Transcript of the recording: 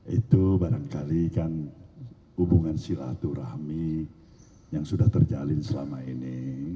itu barangkali kan hubungan silaturahmi yang sudah terjalin selama ini